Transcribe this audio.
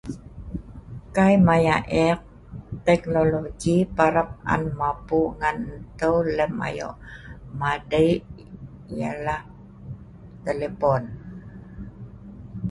Kai maya' ek tehnologi parap an mapu' ngan enteu lem ayo madei ialah telepon